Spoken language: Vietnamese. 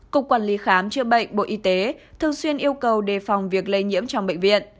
cục quản lý khám chữa bệnh bộ y tế thường xuyên yêu cầu đề phòng việc lây nhiễm trong bệnh viện